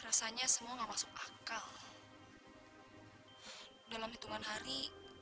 rasanya semua nggak masuk akal dalam hitungan hari